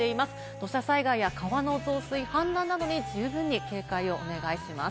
土砂災害や川の増水、氾濫などに十分に警戒をお願いします。